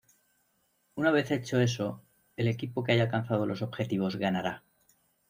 Una vez hecho eso el equipo que haya alcanzado los objetivos ganará.